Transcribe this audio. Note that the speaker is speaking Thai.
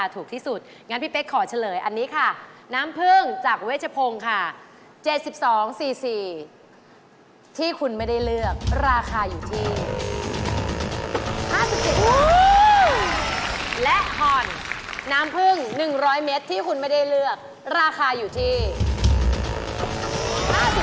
โหและฮอลน้ำผึ้ง๑๐๐เมตรที่คุณไม่ได้เลือกราคาอยู่ที่๕๐บาท